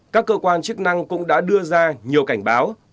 các cơ quan chức năng cũng đã đưa ra nhiều cảnh báo